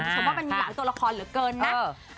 ฉันว่ามันมีหลายตัวละครเหลือเกินนะ